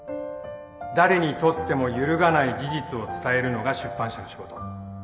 誰にとっても揺るがない事実を伝えるのが出版社の仕事